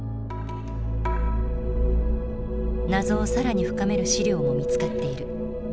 謎を更に深める史料も見つかっている。